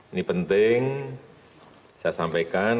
ini penting saya sampaikan